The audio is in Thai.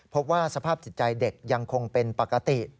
พบว่าสภาพจิตใจเด็กยังคงเป็นปกติ